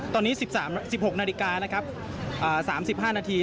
ตอนนี้สิบสามสิบหกนาฬิกานะครับอ่าสามสิบห้านาที